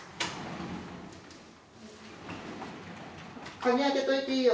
鍵開けといていいよ。